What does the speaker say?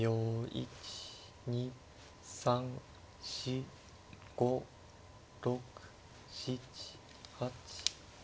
１２３４５６７８。